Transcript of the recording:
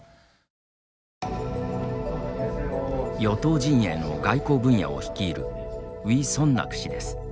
与党陣営の外交分野を率いるウィ・ソンナク氏です。